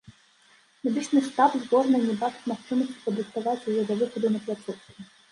Медычны штаб зборнай не бачыць магчымасці падрыхтаваць яго да выхаду на пляцоўку.